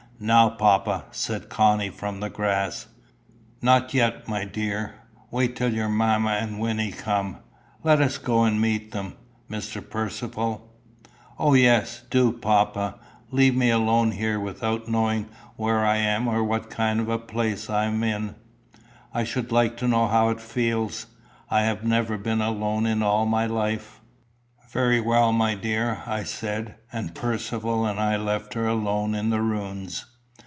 "Now, papa!" said Connie from the grass. "Not yet, my dear. Wait till your mamma and Wynnie come. Let us go and meet them, Mr. Percivale." "O yes, do, papa. Leave me alone here without knowing where I am or what kind of a place I am in. I should like to know how it feels. I have never been alone in all my life." "Very well, my dear," I said; and Percivale and I left her alone in the ruins.